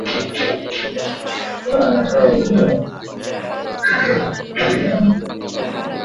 kuungana na wenzao wa Marekani na kuimarisha mtandao huo wa kimataifa wa viongozi wanawake